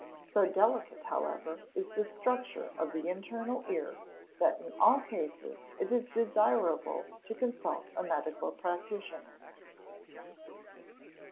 So delicate, however, is the structure of the internal ear that in all cases it is desirable to consult a medical practitioner.